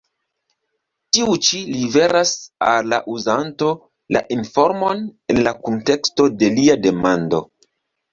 Tiu ĉi liveras al la uzanto la informon en la kunteksto de lia demando.